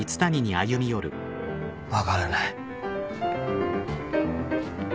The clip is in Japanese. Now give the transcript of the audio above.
分からない。